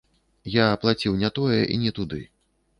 Я аплаціў не тое і не туды.